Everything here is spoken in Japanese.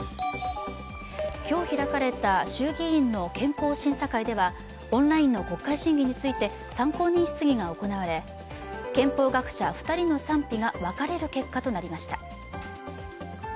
今日開かれた衆議院の憲法審査会ではオンラインの国会審議について参考人質疑が行われ憲法学者２人の賛否が分かれる結果となりました。